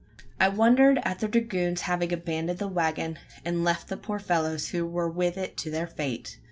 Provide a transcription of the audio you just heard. I wondered at the dragoons having abandoned the waggon, and left the poor fellows who were with it to their fate!